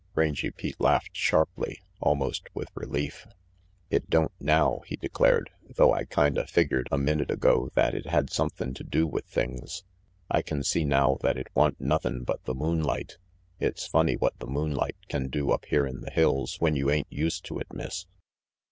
Rangy Pete laughed sharply, almost with relief. "It don't, now," he declared, "though I kinda figured a minute ago that it had somethin* to do with things. I can see now that it wa'n't nothin' but the moonlight. It's funny what the moonlight can do up here in the hills when you ain't used to it, Miss.